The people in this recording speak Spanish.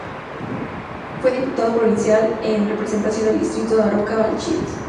Fue Diputado Provincial en representación del distrito Daroca-Belchite.